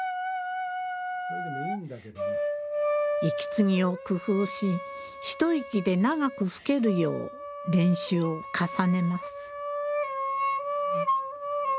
息継ぎを工夫し一息で長く吹けるよう練習を重ねます。